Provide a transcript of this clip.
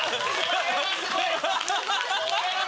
「これはすごい」。